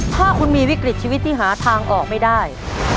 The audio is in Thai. ถ้าคุณมีวิกฤตชีวิตที่หาทางออกไม่ได้